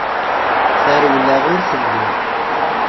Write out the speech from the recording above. Tarewla ur telli.